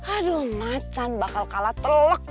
aduh macan bakal kalah telak